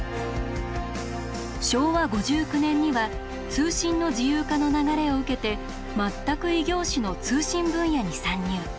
昭和５９年には通信の自由化の流れを受けて全く異業種の通信分野に参入。